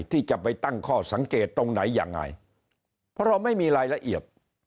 ที่จะไปตั้งข้อสังเกตตรงไหนยังไงเพราะเราไม่มีรายละเอียด